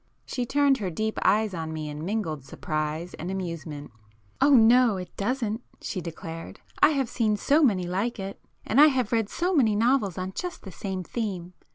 She turned her deep eyes on me in mingled surprise and amusement. "Oh no, it doesn't," she declared—"I have seen so many like it. And I have read so many novels on just the same theme!